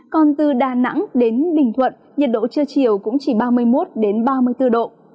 còn từ đà nẵng đến bình thuận nhiệt độ trưa chiều cũng chỉ ba mươi một ba mươi bốn độ